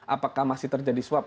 apakah masih terjadi swap